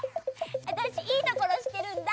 わたしいいところしってるんだ。